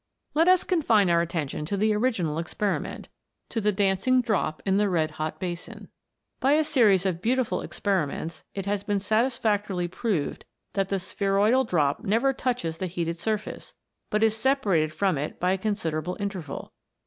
Let us confine our attention to the original expe riment, to the dancing drop in the red hot basin. By a series of beautiful experiments it has been * Liebig. WATEK BEWITCHED. 169 satisfactorily proved that the spheroidal drop never touches the heated surface, but is separated from it by a considerable interval.